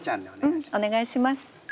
うんお願いします。